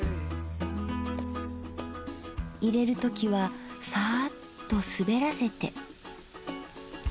入れる時はサーッと滑らせて。